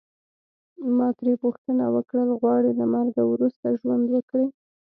ما ترې پوښتنه وکړل غواړې له مرګه وروسته ژوند وکړې.